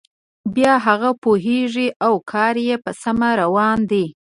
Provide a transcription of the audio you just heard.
بیا هغه پوهیږي او کار یې په سمه روان دی.